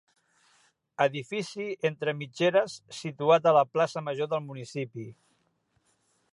Edifici entre mitgeres situat a la Plaça Major del municipi.